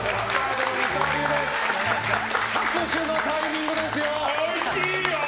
拍手のタイミングですよ！